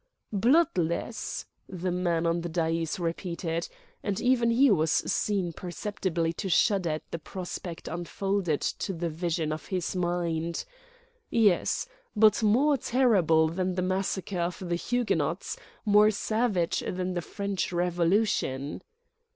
"Bloodless?" the man on the dais repeated; and even he was seen perceptibly to shudder at the prospect unfolded to the vision of his mind. "Yes—but more terrible than the massacre of the Huguenots, more savage than the French Revolution!"